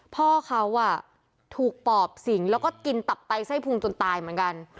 พ่อเขาถูกปอบสิงแล้วก็กินตับไตไส้พุงจนตายเหมือนกัน